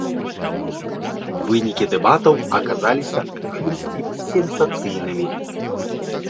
Вынікі дэбатаў аказаліся ў чымсьці сенсацыйнымі.